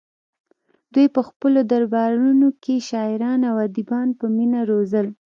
دوی په خپلو دربارونو کې شاعران او ادیبان په مینه روزل